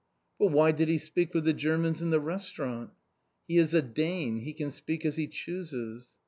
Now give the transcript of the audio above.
"But why did he speak with the Germans in the restaurant?" "He is a Dane, he can speak as he chooses."